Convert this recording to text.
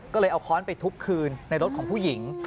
ก็เลยเอาค้อนไปทุบคืนในรถของผู้หญิง